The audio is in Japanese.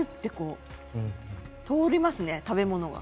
通りますね、食べ物が。